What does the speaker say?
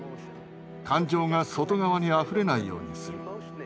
感情が外側にあふれないようにする。